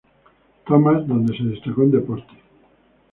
Thomas, donde se destacó en deportes.